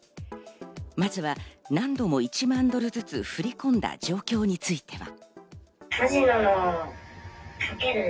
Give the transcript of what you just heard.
まずは何度も１万ドルずつ振り込んだ状況については。